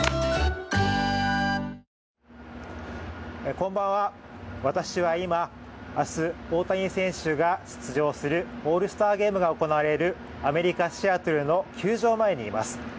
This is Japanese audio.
こんばんは、私は今明日、大谷選手が出場するオールスターゲームが行われるアメリカ・シアトルの球場前にいます。